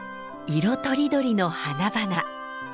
色とりどりの花々。